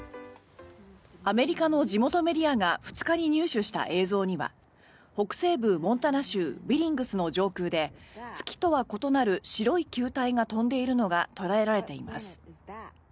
アメリカの地元メディアが２日に入手した映像には北西部モンタナ州ビリングスの上空で月とは異なる白い球体が飛んでいるのが捉えられています。